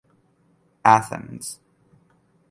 Athens.